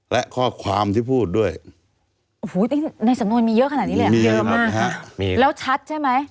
และข้อความที่พูดด้วยโอ้โหในสำนวนมีเยอะขนาดนี้เลยเหรอเยอะมากฮะมีแล้วชัดใช่ไหม